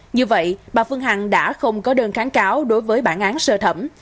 như vậy bà phương hằng đã không có đơn kháng cáo đối với bản án sơ thẩm